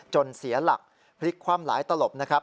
เสียหลักพลิกคว่ำหลายตลบนะครับ